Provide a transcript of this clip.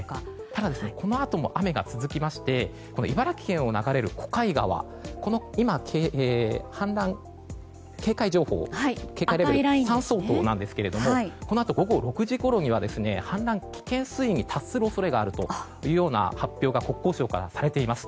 ただ、このあとも雨が続きまして茨城県を流れる小貝川氾濫警戒情報、警戒レベルが３相当なんですけどもこのあと午後６時ごろには氾濫危険水位に達する恐れがあるという発表が国交省からされています。